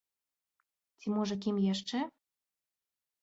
Ці, можа, кім яшчэ?